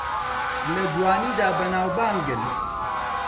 لە جوانیدا بەناوبانگن